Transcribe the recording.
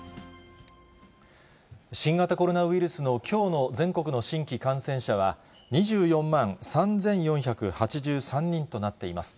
新型コロナウイルスのきょうの全国の新規感染者は、２４万３４８３人となっています。